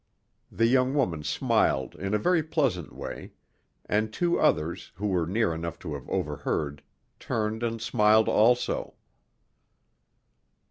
The young woman smiled in a very pleasant way, and two others, who were near enough to have overheard, turned and smiled also.